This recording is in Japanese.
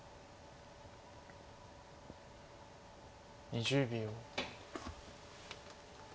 ２０秒。